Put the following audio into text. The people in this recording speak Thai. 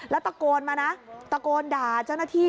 แล้วตะโกนมานะตะโกนด่าเจ้าหน้าที่